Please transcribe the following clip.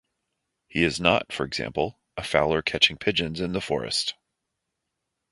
He is not, for example, a fowler catching pigeons in the forest.